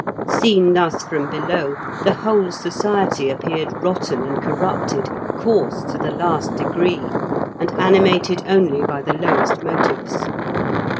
Seen thus from below, the whole society appeared rotten and corrupted, coarse to the last degree, and animated only by the lowest motives.